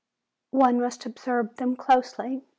One must observe them closely.